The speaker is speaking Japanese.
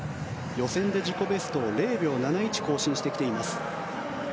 予選で自己ベストを０秒７１更新してきています。